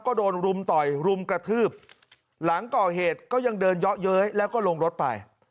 ก็โดนรุมต่อยรุมกระทืบหลังก่อเหตุก็ยังเดินเยาะเย้ยแล้วก็ลงรถไป